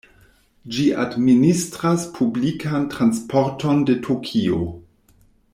Ĝi administras publikan transporton de Tokio.